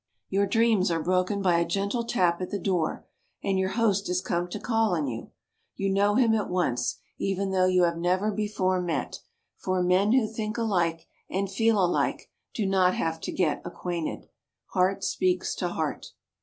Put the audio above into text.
Your dreams are broken by a gentle tap at the door and your host has come to call on you. You know him at once, even though you have never before met, for men who think alike and feel alike do not have to "get acquainted." Heart speaks to heart.